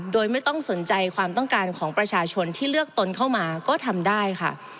โดยไม่ต้องสนใจความต้องการของประชาชนที่เลือกตนเข้ามาก็ทำได้ค่ะ